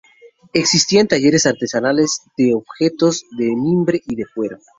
Existían talleres artesanales de objetos de mimbre y de cuero.